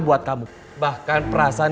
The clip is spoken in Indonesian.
buat kamu bahkan perasaan